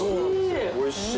おいしい。